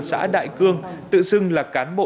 xã đại cương tự xưng là cán bộ